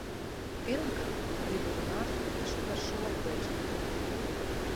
Pirmkārt, gribu runāt tieši par šo priekšlikumu.